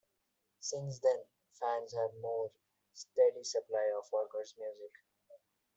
Since then, fans had a more steady supply of Walker's music.